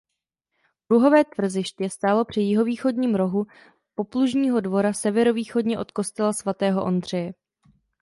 Kruhové tvrziště stálo při jihovýchodním rohu poplužního dvora severovýchodně od kostela svatého Ondřeje.